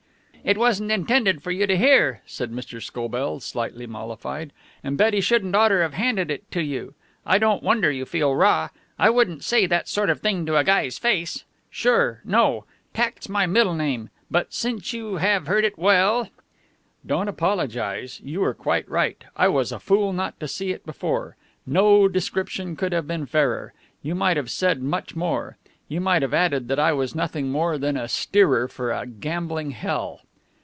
"It wasn't intended for you to hear," said Mr. Scobell, slightly mollified, "and Betty shouldn't oughter have handed it to you. I don't wonder you feel raw. I wouldn't say that sort of thing to a guy's face. Sure, no. Tact's my middle name. But, since you have heard it, well !" "Don't apologize. You were quite right. I was a fool not to see it before. No description could have been fairer. You might have said much more. You might have added that I was nothing more than a steerer for a gambling hell."